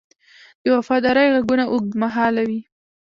د وفادارۍ ږغونه اوږدمهاله وي.